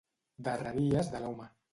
Darreries de l'home.